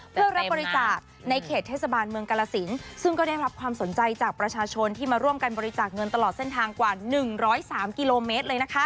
เพื่อรับบริจาคในเขตเทศบาลเมืองกาลสินซึ่งก็ได้รับความสนใจจากประชาชนที่มาร่วมกันบริจาคเงินตลอดเส้นทางกว่า๑๐๓กิโลเมตรเลยนะคะ